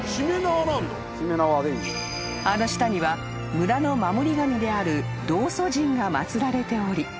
［あの下には村の守り神である道祖神が祭られており］